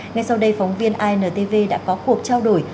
ngay sau đây phóng viên intv đã có cuộc trao đổi